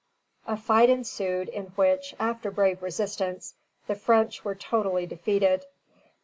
A fight ensued, in which, after brave resistance, the French were totally defeated.